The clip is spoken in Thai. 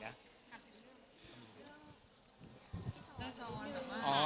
พี่ช้อนช้อน